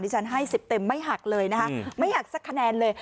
ฉันให้๑๐เต็มไม่หักเลยนะคะไม่หักสักคะแนนเลย